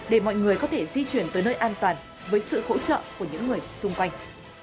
để mọi người có thể di chuyển tới nơi an toàn với sự hỗ trợ của những người xung quanh